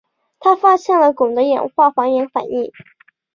他发现了汞的氧化还原反应。